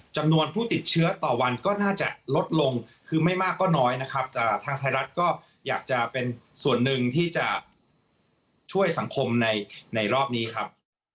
จะเป็นส่วนหนึ่งที่จะช่วยสังคมในรอบนี้ครับ